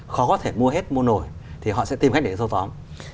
khó có thể mua hết mua nổi thì họ sẽ tìm cách để thâu tóm